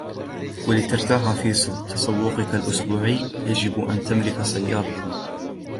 لترتاح في تسوقك الأسبوعي ، يجب أن تملك سيارةً.